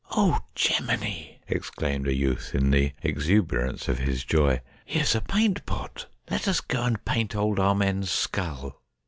' Oh Geminy !' exclaimed a youth in the exuberance of his joy, ' here's a paint pot. Let us go and paint old Amen's skull.'